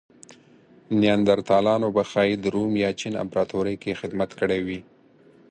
نیاندرتالانو به ښايي د روم یا چین امپراتورۍ کې خدمت کړی وی.